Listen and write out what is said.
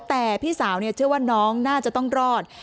แต่พี่สาวเชื่อว่าน้องน่าจะต้องรอด